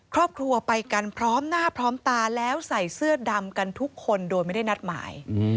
ครอบครัวไปกันพร้อมหน้าพร้อมตาแล้วใส่เสื้อดำกันทุกคนโดยไม่ได้นัดหมาย